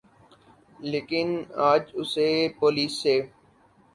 لیکن اج اسے پولیس سے